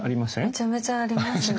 めちゃめちゃありますね。